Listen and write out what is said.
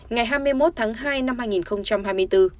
ngày hai mươi một tháng hai năm hai nghìn hai mươi bốn